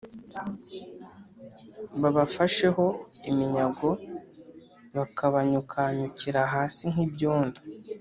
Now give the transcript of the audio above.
Babafasheho iminyago bakabanyukanyukira hasi nk’ibyondo